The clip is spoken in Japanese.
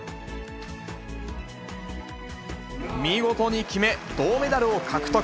見事に決め、銅メダルを獲得。